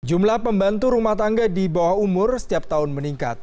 jumlah pembantu rumah tangga di bawah umur setiap tahun meningkat